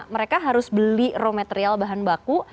mereka harus beli raw material bahan baku